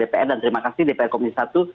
dpr dan terima kasih dpr komisi satu